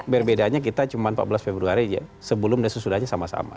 berbedanya kita cuma empat belas februari aja sebelum dan sesudahnya sama sama